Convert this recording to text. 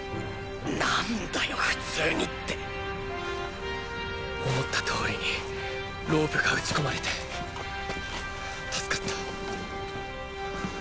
なんだよ“普通に”って思った通りにロープが撃ち込まれて助かった。